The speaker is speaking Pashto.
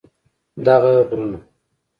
دغه غرونه